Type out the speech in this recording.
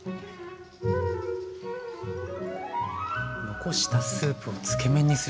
残したスープをつけ麺にするって。